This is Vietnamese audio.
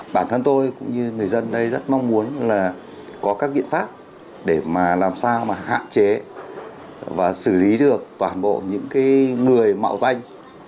bản thân tôi cũng như người dân đây rất mong muốn là có các biện pháp để mà làm sao mà hạn chế và xử lý được toàn bộ những người mạo danh